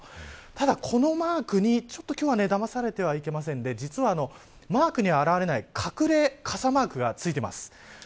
ただ、このマークにちょっと今日はだまされてはいけませんで実はマークには表れない隠れ傘マークが付いています。